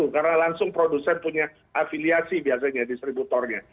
karena langsung produsen punya afiliasi biasanya distributornya